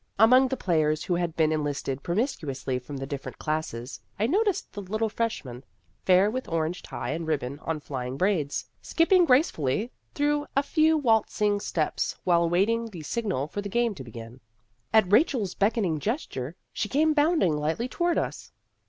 Among the players who had been en listed promiscuously from the different classes, I noticed the little freshman, fair with orange tie and ribbon on flying braids, skipping gracefully through a few waltzing steps while awaiting the signal for the game to begin. At Rachel's beckoning gesture, she came bounding lightly toward us.